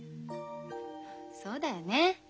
そうだよね